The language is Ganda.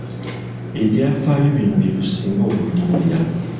Ebyafaaayo bino bye tusinga okutunuulira.